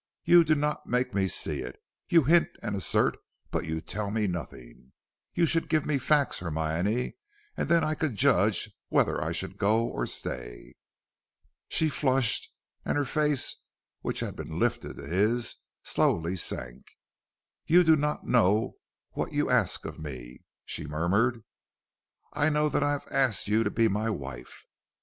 "You do not make me see it. You hint and assert, but you tell me nothing. You should give me facts, Hermione, and then I could judge whether I should go or stay." She flushed, and her face, which had been lifted to his, slowly sank. "You do not know what you ask of me," she murmured. "I know that I have asked you to be my wife."